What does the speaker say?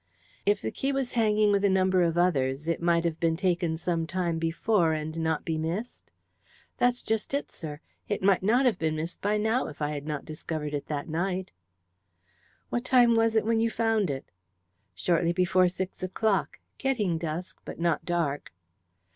"If the key was hanging with a number of others it might have been taken some time before and not be missed?" "That's just it, sir. It might not have been missed by now if I had not discovered it that night." "What time was it when you found it?" "Shortly before six o'clock getting dusk, but not dark."